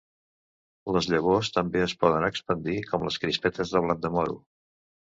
Les llavors també es poden expandir com les crispetes del blat de moro.